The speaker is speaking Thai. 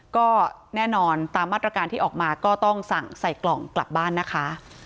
ก็แน่นอนตามมาตรการที่ออกมาก็ต้องสั่งใส่กล่องกลับบ้านนะคะ